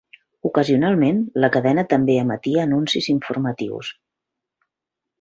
Ocasionalment, la cadena també emetia anuncis informatius.